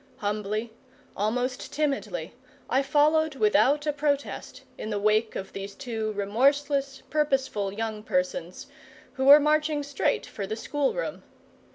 Humbly, almost timidly, I followed without a protest in the wake of these two remorseless, purposeful young persons, who were marching straight for the schoolroom.